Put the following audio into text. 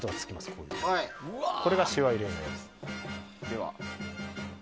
これが、しわ入れになります。